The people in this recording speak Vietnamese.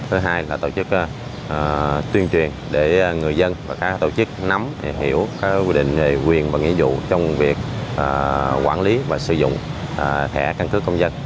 thứ hai là tổ chức tuyên truyền để người dân và các tổ chức nắm hiểu các quy định về quyền và nghĩa vụ trong việc quản lý và sử dụng thẻ căn cước công dân